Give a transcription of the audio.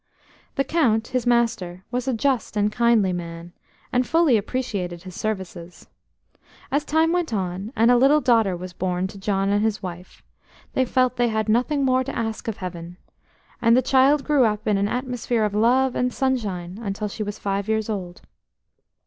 The Count, his master, was a just and kindly man, and fully appreciated his services. As time went on, and a little daughter was born to John and his wife, they felt they had nothing more to ask of Heaven, and the child grew up in an atmosphere of love and sunshine until she was five years old.